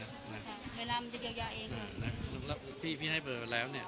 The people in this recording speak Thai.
ก็ใช้ชีวิตปกติของใครของมันนะครับ